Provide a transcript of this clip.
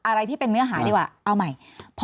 อะไรที่เป็นเนื้อหาดีกว่าเอาใหม่